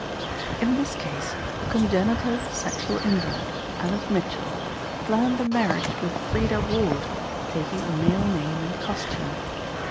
In this case a congenital sexual invert, Alice Mitchell, planned a marriage with Freda Ward, taking a male name and costume.